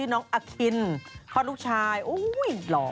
น้องอคินคลอดลูกชายอุ้ยหรอ